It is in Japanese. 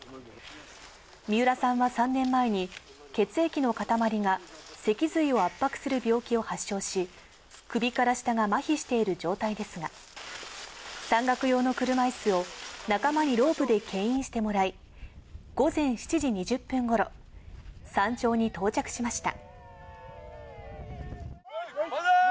三浦さんは３年前に血液の塊が脊髄を圧迫する病気を発症し、首から下がまひしている状態ですが、山岳用の車いすを仲間にロープでけん引してもらい、午前７時２０分頃、山頂に到着しました。